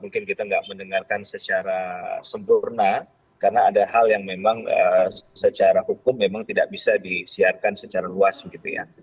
mungkin kita tidak mendengarkan secara sempurna karena ada hal yang memang secara hukum memang tidak bisa disiarkan secara luas gitu ya